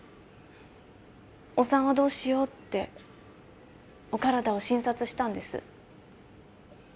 お産はどうしようって、お体を診察したんです。